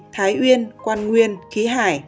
thái uyên quan nguyên khí hải